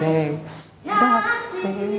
aku ingin mencintaimu